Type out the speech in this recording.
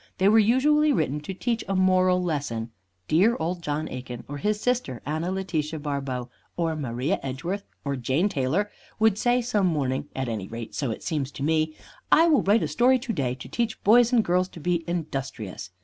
They were usually written to teach a moral lesson. Dear old John Aikin, or his sister Anna Letitia Barbauld, or Maria Edgeworth, or Jane Taylor would say some morning at any rate, so it seems to me "I will write a story to day to teach boys and girls to be industrious."